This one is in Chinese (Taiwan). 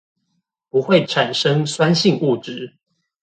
不會產生酸性物質